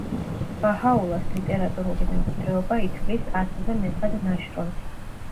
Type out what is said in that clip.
ბაჰაულას ლიტერატურული მემკვიდრეობა ითვლის ასზე მეტად ნაშრომს.